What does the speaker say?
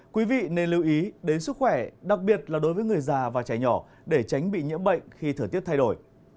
quý vị nên lưu ý đến sức khỏe đặc biệt là đối với người già và trẻ nhỏ để tránh bị nhiễm bệnh khi thời tiết thay đổi